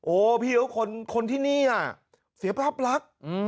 โอ้พี่เห็นคนที่นี่น่ะเสียภาพลักษณ์